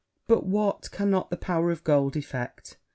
But what cannot the power of gold effect?